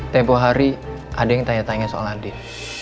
tempoh hari ada yang tanya tanya soal adil